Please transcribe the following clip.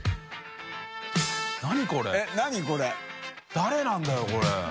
誰なんだよこれ。